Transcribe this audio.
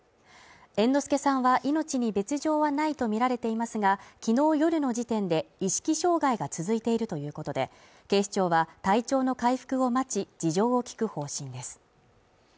猿之助さんは命に別状はないとみられていますが、昨日夜の時点で意識障害が続いているということで、警視庁は体調の回復を待ち、事情を聞く方針です。